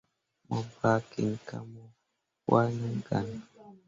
Mo ɓah kiŋ ko mo waaneml gah ne.